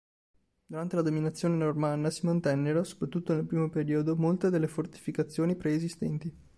Durante la dominazione normanna si mantennero, soprattutto nel primo periodo, molte delle fortificazioni preesistenti.